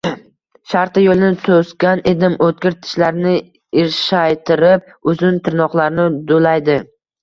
Shartta yo‘lini to‘sgan edim, o‘tkir tishlarini irshaytirib, uzun tirnoqlarini do‘laydi: